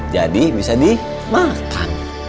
jadi bisa dimakan